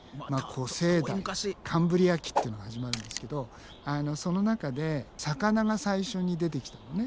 古生代カンブリア紀っていうのが始まるんですけどその中で魚が最初に出てきたのね。